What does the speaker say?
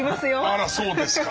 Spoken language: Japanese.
あらそうですか。